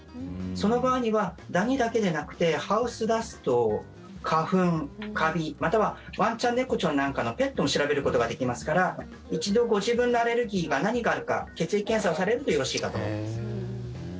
その場合にはダニだけでなくてハウスダスト、花粉、カビまたはワンちゃん猫ちゃんなんかのペットも調べることができますから一度、ご自分のアレルギーが何があるか血液検査をされるとよろしいかと思います。